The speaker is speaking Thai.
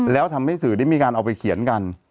แล้วทำให้สื่อได้มีการเอาไปเขียนกัน